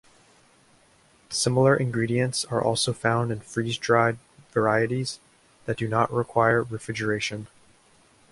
Similar ingredients are also found in freeze dried varieties that do not require refrigeration.